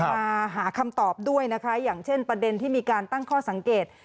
มาหาคำตอบด้วยนะคะอย่างเช่นประเด็นที่มีการตั้งข้อสังเกต